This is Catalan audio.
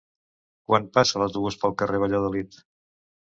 Quan passa l'autobús pel carrer Valladolid?